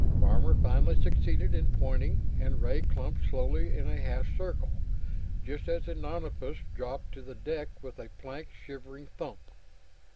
Farmer finally succeeded in pointing, and Ray clumped slowly in a half circle, just as the nonapus dropped to the deck with a plank shivering thump.